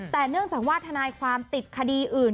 แต่เนื่องจากว่าทนายความติดคดีอื่น